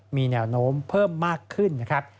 มีแนวโน้มเพิ่มมากขึ้นนะครับ